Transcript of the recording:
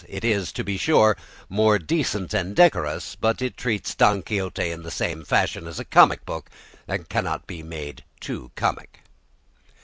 It is, to be sure, more decent and decorous, but it treats "Don Quixote" in the same fashion as a comic book that cannot be made too comic.